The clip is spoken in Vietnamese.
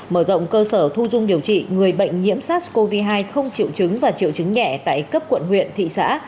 mở rộng cơ sở thu dung điều trị người bệnh nhiễm sars cov hai không triệu chứng và triệu chứng nhẹ tại cấp quận huyện thị xã